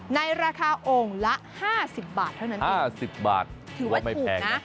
ในราคาโอ่งละ๕๐บาทเท่านั้น๕๐บาทถือว่าไม่แพงนะ